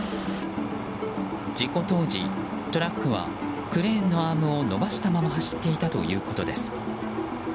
事故当時、トラックはクレーンのアームを伸ばしたまま走っていたということです。